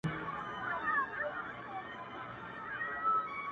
یوار مسجد ته ګورم ـ بیا و درمسال ته ګورم ـ